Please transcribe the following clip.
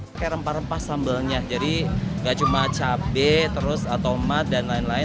pakai rempah rempah sambalnya jadi nggak cuma cabai terus tomat dan lain lain